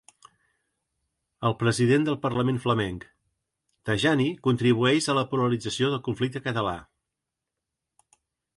El president del parlament flamenc: ‘Tajani contribueix a la polarització del conflicte català’